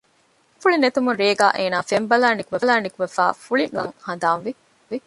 ފެންފުޅި ނެތުމުން ރޭގައި އޭނާ ފެން ބަލައި ނުކުމެފައި ފުޅި ނުވެއްދޭކަން ހަނދާންވި